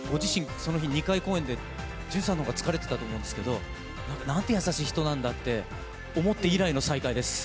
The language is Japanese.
その日、２回公演でジュンスさんの方が疲れていたと思うんですが何て優しい人なんだって思って以来の再会です。